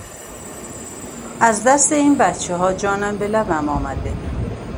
از دست این بچهها جانم به لب آمده!